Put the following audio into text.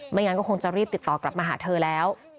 งั้นก็คงจะรีบติดต่อกลับมาหาเธอแล้ว